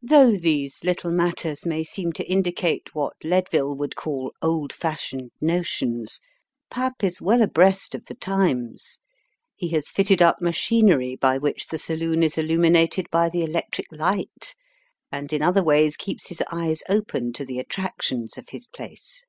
Though these httle matters may seem to indicate what Leadville would call old fashioned notions. Pap is well abreast of the times. He has fitted up machinery by which the saloon is illuminated by the electric light, and in other ways keeps his eye open to the attractions of his place.